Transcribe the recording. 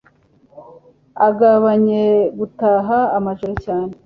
ugabanye gutaha amajoro cyane